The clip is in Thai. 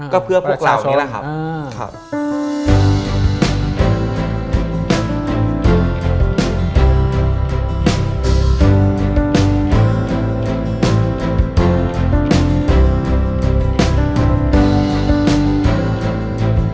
ก็เพื่อพวกเรานี่แหละครับ